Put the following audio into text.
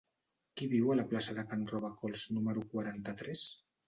Qui viu a la plaça de Can Robacols número quaranta-tres?